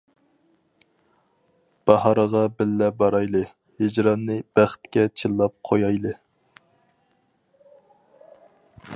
باھارغا بىللە بارايلى، ھىجراننى بەختكە چىللاپ قويايلى.